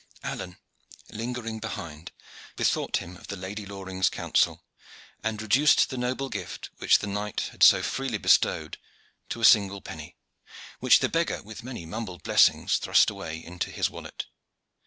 Alleyne, lingering behind, bethought him of the Lady Loring's counsel, and reduced the noble gift which the knight had so freely bestowed to a single penny, which the beggar with many mumbled blessings thrust away into his wallet.